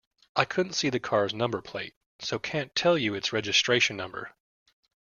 I couldn't see the car's number plate, so can't tell you its registration number